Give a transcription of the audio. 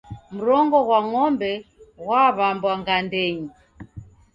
Mrongo ghwa ng'ombe ghwaw'ambwa ngandenyi.